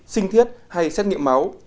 sinh thiết hay xét nghiệm máu